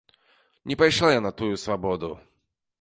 Не пайшла я на тую свабоду.